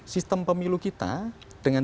sistem pemilu kita dengan